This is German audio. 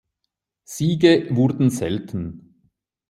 Siege wurden selten.